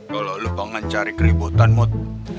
kalau lo bangun cari keributan mut